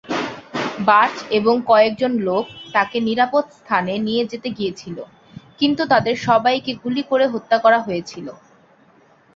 Birch এবং কয়েকজন লোক তাকে নিরাপদ স্থানে নিয়ে যেতে গিয়েছিল কিন্তু তাদের সবাইকে গুলি করে হত্যা করা হয়েছিল।